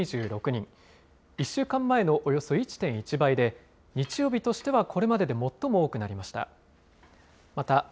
１週間前のおよそ１．１倍で、日曜日としてはこれまでで最も多くなりました。